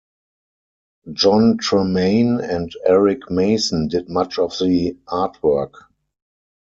Jon Tremaine and Eric Mason did much of the artwork.